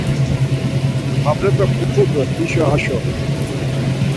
Pavrepe putxut̆u hişo haşo.